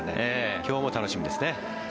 今日も楽しみですね。